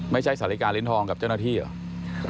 สาฬิกาลิ้นทองกับเจ้าหน้าที่เหรอ